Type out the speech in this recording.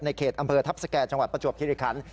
เขตอำเภอทัพสแก่จังหวัดประจวบคิริคัน